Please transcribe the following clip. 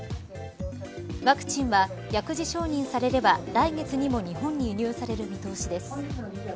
ワクチンは薬事承認されれば来月にも日本に輸入される見通しです。